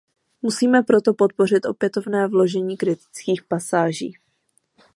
Musíme proto podpořit opětovné vložení kritických pasáží.